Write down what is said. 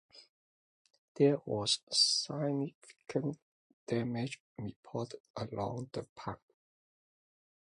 There was significant damage reported along the path.